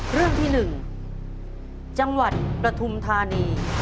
เรื่องที่๑จังหวัดประทุมธานี